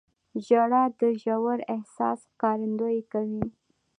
• ژړا د ژور احساس ښکارندویي کوي.